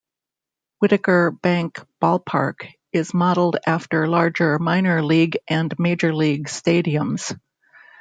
Whitaker Bank Ballpark is modeled after larger minor-league and major-league stadiums.